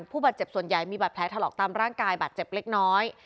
ผู้บาดเจ็บส่วนใหญ่มีบาดแผลถลอกตามร่างกายบาดเจ็บเล็กน้อย